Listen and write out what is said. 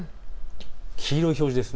黄色い表示です。